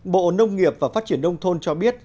bộ nông nghiệp và phát triển đông thôn cho biết